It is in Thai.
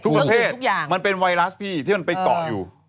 ทุกประเภทมันเป็นไวรัสพี่ที่มันไปเกาะอยู่